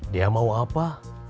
dia mau apa